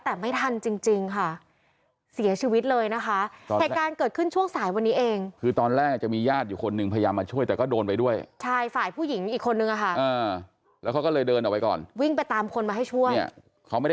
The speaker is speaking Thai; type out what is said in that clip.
โอ้โหโอ้โหโอ้โหโอ้โหโอ้โหโอ้โหโอ้โหโอ้โหโอ้โหโอ้โหโอ้โหโอ้โหโอ้โหโอ้โหโอ้โหโอ้โหโอ้โหโอ้โหโอ้โหโอ้โหโอ้โหโอ้โหโอ้โหโอ้โหโอ้โหโอ้โหโอ้โหโอ้โหโอ้โหโอ้โหโอ้โหโอ้โหโอ้โหโอ้โหโอ้โหโอ้โหโอ้โห